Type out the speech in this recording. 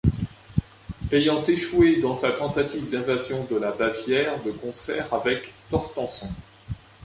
Ayant échoué dans sa tentative d'invasion de la Bavière de concert avec Torstenson.